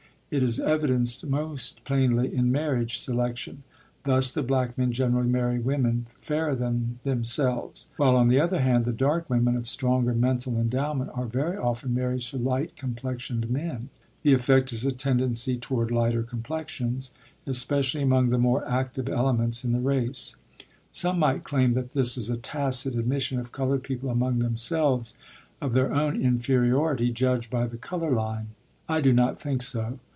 It is evidenced most plainly in marriage selection; thus the black men generally marry women fairer than themselves; while, on the other hand, the dark women of stronger mental endowment are very often married to light complexioned men; the effect is a tendency toward lighter complexions, especially among the more active elements in the race. Some might claim that this is a tacit admission of colored people among themselves of their own inferiority judged by the color line. I do not think so.